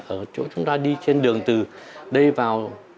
ở chỗ chúng ta đi trên đường từ đây vào